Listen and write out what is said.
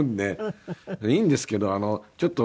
いいんですけどちょっと。